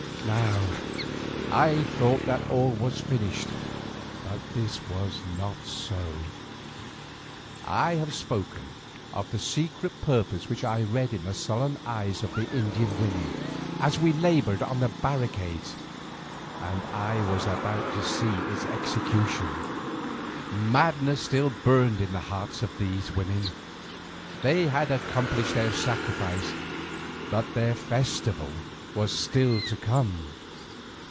Now I thought that all was finished, but this was not so. I have spoken of the secret purpose which I read in the sullen eyes of the Indian women as they laboured at the barricades, and I was about to see its execution. Madness still burned in the hearts of these women; they had accomplished their sacrifice, but their festival was still to come.